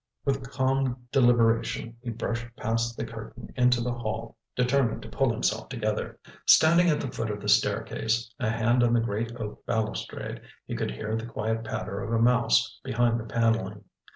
With calm deliberation he brushed past the curtain into the hall, determined to pull himself together. Standing at the foot of the staircase, a hand on the great oak balustrade, he could hear the quiet patter of a mouse behind the panelling.